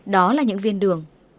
đó là những viên đường